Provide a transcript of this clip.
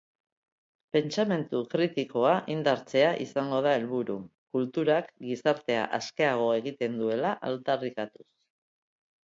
Pentsamendu kritikoa indartzea izango du helburu, kulturak gizartea askeago egiten duela aldarrikatuz.